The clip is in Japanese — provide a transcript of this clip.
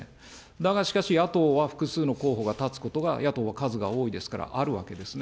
だがしかし野党は複数の候補が立つことが、野党は数が多いですから、あるわけですね。